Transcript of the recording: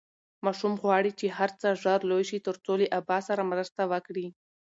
ماشوم غواړي چې هر څه ژر لوی شي ترڅو له ابا سره مرسته وکړي.